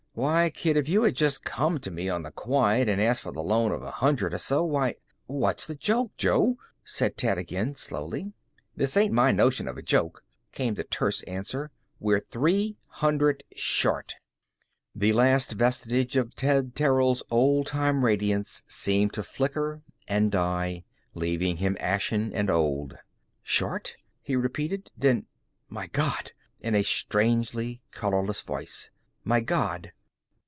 Why, kid, if you had just come to me on the quiet and asked for the loan of a hundred or so why " "What's the joke, Jo?" said Ted again, slowly. "This ain't my notion of a joke," came the terse answer. "We're three hundred short." The last vestige of Ted Terrill's old time radiance seemed to flicker and die, leaving him ashen and old. "Short?" he repeated. Then, "My God!" in a strangely colorless voice "My God!"